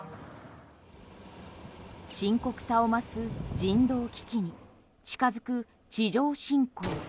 深刻さを増す人道危機に近づく地上侵攻。